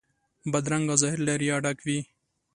بدرنګه ظاهر له ریا ډک وي